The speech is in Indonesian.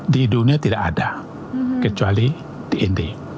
di dunia tidak ada kecuali di india